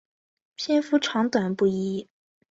篇幅长短不一。